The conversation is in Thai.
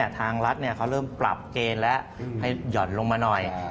ทางรัฐเขาเริ่มปรับเกณฑ์แล้วให้หย่อนลงมาหน่อย